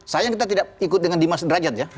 sayang kita tidak ikut dengan dimas derajat ya